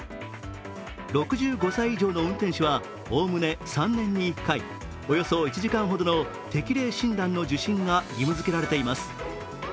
６５歳以上の運転手はおおむね３年に１回、およそ１時間ほどの適齢診断の受診が義務づけられています。